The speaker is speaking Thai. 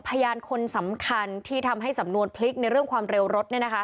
พยานคนสำคัญที่ทำให้สำนวนพลิกในเรื่องความเร็วรถ